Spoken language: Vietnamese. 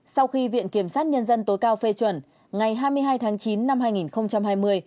sau khi viện kiểm sát nhân dân tối cao phê chuẩn ngày hai mươi hai tháng chín năm hai nghìn hai mươi